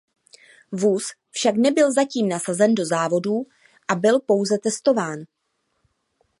Vůz však nebyl zatím nasazen do závodů a byl pouze testován.